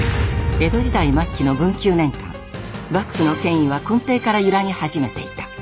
江戸時代末期の文久年間幕府の権威は根底から揺らぎ始めていた。